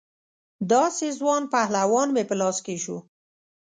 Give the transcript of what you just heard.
داسې ځوان پهلوان مې په لاس کې شو.